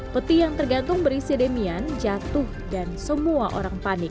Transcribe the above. peti yang tergantung berisi demian jatuh dan semua orang panik